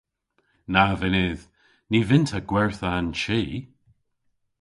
Na vynnydh. Ny vynn'ta gwertha an chi.